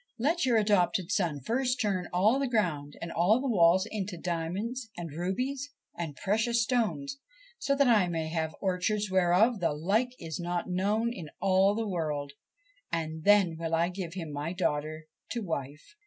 Let your adopted son first turn all the ground and the walls into diamonds and rubies and precious stones, so that I may have orchards whereof the like is not known in all the world, and then will I give him my daughter to wife.'